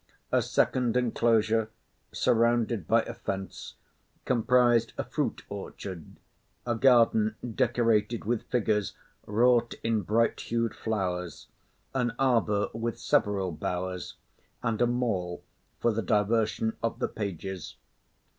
A second enclosure, surrounded by a fence, comprised a fruit orchard, a garden decorated with figures wrought in bright hued flowers, an arbour with several bowers, and a mall for the diversion of the pages.